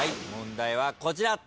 問題はこちら。